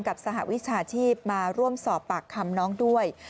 สหวิชาชีพมาร่วมสอบปากคำน้องด้วย